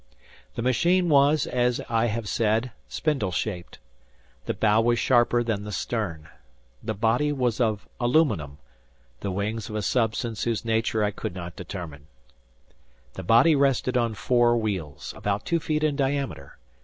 The machine was as I have said spindle shaped. The bow was sharper than the stern. The body was of aluminium, the wings of a substance whose nature I could not determine. The body rested on four wheels, about two feet in diameter.